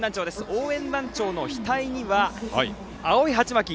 応援団長の額には青い鉢巻き